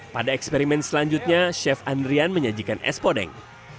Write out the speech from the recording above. pada eksperimen selanjutnya chef andrian menyajikan es podeng